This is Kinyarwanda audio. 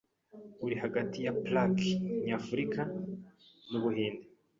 uri hagati ya plaque nyafurika nu Buhinde